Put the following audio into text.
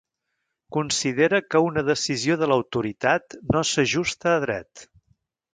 Considera que una decisió de l'autoritat no s'ajusta a dret.